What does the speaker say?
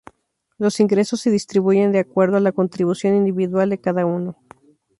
Los ingresos se distribuyen de acuerdo a la Contribución individual de cada uno.